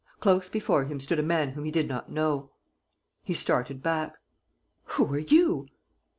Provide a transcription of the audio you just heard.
Close before him stood a man whom he did not know. He started back: "Who are you?"